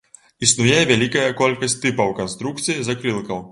Існуе вялікая колькасць тыпаў канструкцыі закрылкаў.